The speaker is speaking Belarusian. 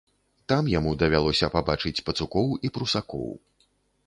Там яму давялося пабачыць пацукоў і прусакоў.